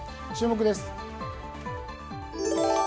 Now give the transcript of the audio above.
注目です。